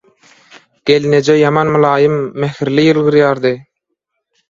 Gelneje ýaman mylaýym, mähirli ýylgyrýardy.